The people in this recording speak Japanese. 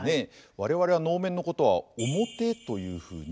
我々は能面のことは面というふうに。